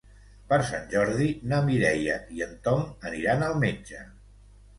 Per Sant Jordi na Mireia i en Tom aniran al metge.